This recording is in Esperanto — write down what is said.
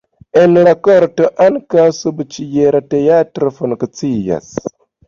En la korto ankaŭ subĉiela teatro funkcias.